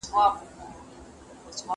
ساړه د بدن حرکتونه ورو کوي.